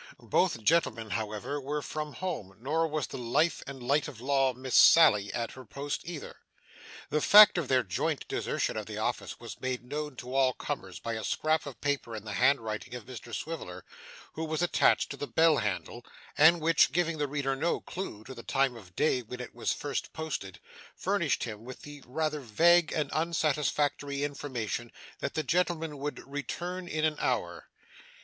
Both gentlemen however were from home, nor was the life and light of law, Miss Sally, at her post either. The fact of their joint desertion of the office was made known to all comers by a scrap of paper in the hand writing of Mr Swiveller, which was attached to the bell handle, and which, giving the reader no clue to the time of day when it was first posted, furnished him with the rather vague and unsatisfactory information that that gentleman would 'return in an hour.